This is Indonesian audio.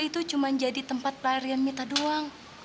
lu itu cuma jadi tempat pelarian mita doang